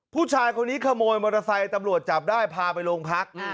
ผู้ชายคนนี้ขโมยมอเตอร์ไซค์ตำรวจจับได้พาไปโรงพัก